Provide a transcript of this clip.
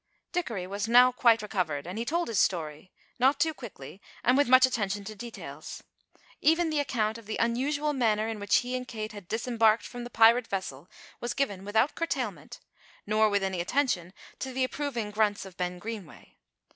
Dickory was now quite recovered and he told his story, not too quickly, and with much attention to details. Even the account of the unusual manner in which he and Kate had disembarked from the pirate vessel was given without curtailment, nor with any attention to the approving grunts of Ben Greenway.